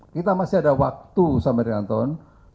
kita masih ada waktu sampai dengan tahun dua ribu dua puluh tujuh